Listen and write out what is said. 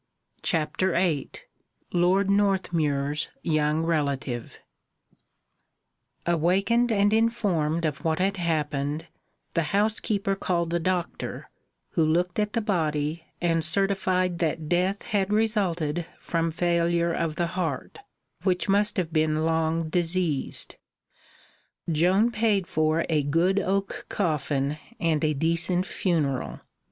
CHAPTER VIII Lord Northmuir's Young Relative Awakened and informed of what had happened, the housekeeper called the doctor, who looked at the body and certified that death had resulted from failure of the heart, which must have been long diseased. Joan paid for a good oak coffin and a decent funeral.